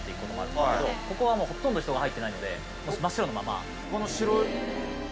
ここはもうほとんど人が入ってないので真っ白のまま。